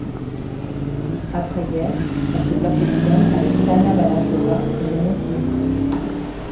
Après-guerre, elle se perfectionne avec Tania Balachova et René Simon.